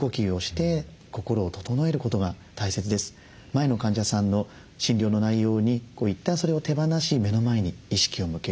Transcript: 前の患者さんの診療の内容にいったんそれを手放し目の前に意識を向ける。